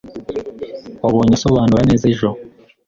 Wabonye asobanura neza ejo